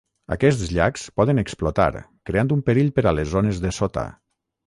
Aquests llacs poden explotar, creant un perill per a les zones de sota.